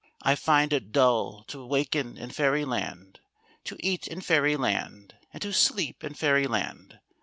I find it dull to waken in Fairyland, to eat in Fair^ land, and to sleep in Fairyland.